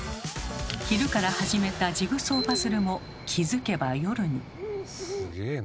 昼から始めたジグソーパズルも気付けば夜に。